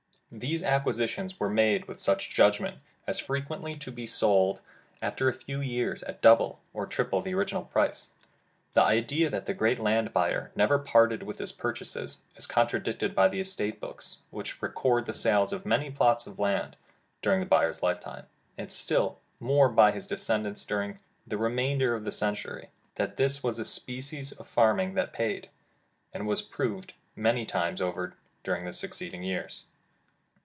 These acquisitions were made with such judgment, as frequently to be sold after a few years, at double or treble the original price. The idea that the great land buyer never parted with his purchases, is contradicted by the estate books, which record the sale of many plots of land, during the buyer's lifetime, and still more by his descendants, during the remainder of the century. That this was a species of farming that paid, was proved many times over during the succeeding years.